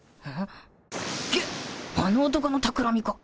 ゲッあの男のたくらみか